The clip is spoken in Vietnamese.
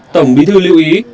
tổng bí thư lưu ý